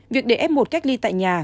việc để f một cách ly tại nhà